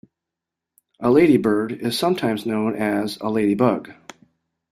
A ladybird is sometimes known as a ladybug